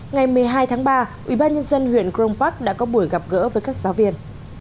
ngày một mươi hai tháng ba ủy ban nhân dân huyện cron park đã có buổi gặp gỡ với các giáo viên